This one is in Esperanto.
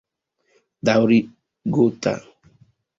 Daŭrigota.